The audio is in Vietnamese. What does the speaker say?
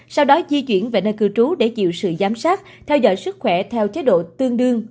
sau đó di chuyển về nơi cư trú để chịu sự giám sát theo dõi sức khỏe theo chế độ tương đương